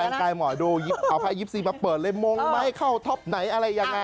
งกายหมอดูเอาอภัย๒๔มาเปิดเลยมงไหมเข้าท็อปไหนอะไรยังไง